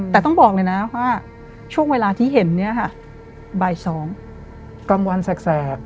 แต่ต้องบอกเลยนะว่าช่วงเวลาที่เห็นเนี่ยค่ะบ่าย๒กลางวันแสก